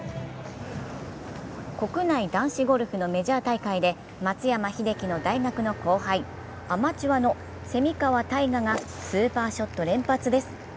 国内男子ゴルフのメジャー大会で松山英樹の大学の後輩、アマチュアの蝉川泰果がスーパーショット連発です。